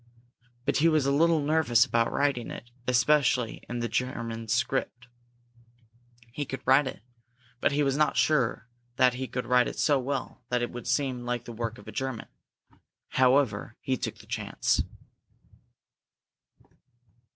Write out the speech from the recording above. But he was a little nervous about writing it, especially in the German script. He could write it, but he was not sure that he could write it so well that it would seem like the work of a German. However, he took the chance.